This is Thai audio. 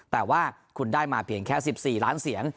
แต่ว่าคุณได้มาเพียงแค่๑๔ล้านเสียง